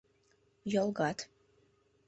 Йолгат...